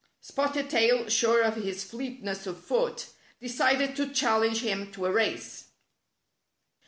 Spotted Tail, sure of his fleetness of foot, de cided to challenge him to a race.